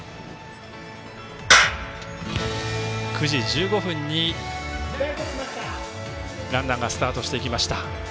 ９時１５分にランナーがスタートしていきました。